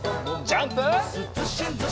ジャンプ！